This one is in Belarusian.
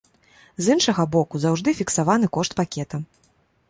З іншага боку, заўжды фіксаваны кошт пакета.